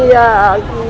dạ chưa cô